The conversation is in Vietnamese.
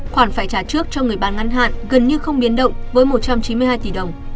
khoản phải trả trước cho người bán ngắn hạn gần như không biến động với một trăm chín mươi hai tỷ đồng